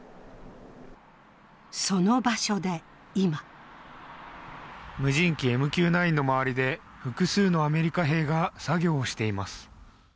その場所で今無人機ＭＱ９の周りで複数のアメリカ兵が作業をしています。